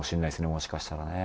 もしかしたらね。